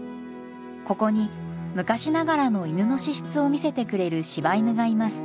ここに昔ながらの犬の資質を見せてくれる柴犬がいます。